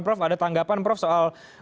prof ada tanggapan prof soal